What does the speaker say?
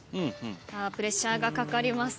プレッシャーがかかります。